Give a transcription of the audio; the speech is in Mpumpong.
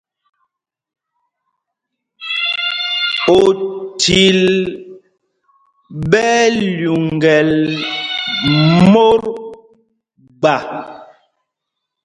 Ochil ɓɛ́ ɛ́ lyuŋgɛl mǒt gba.